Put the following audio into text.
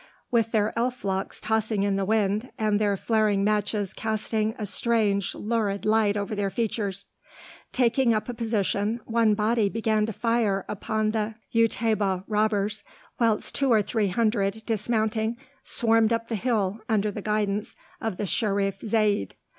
with their elf locks tossing in the wind, and their flaring matches casting a strange lurid light over their features. Taking up a position, one body began to fire upon the Utaybah robbers, whilst two or three hundred, dismounting, swarmed up the hill under the guidance of the Sherif Zayd.